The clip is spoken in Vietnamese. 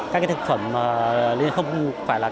các thực phẩm không phải là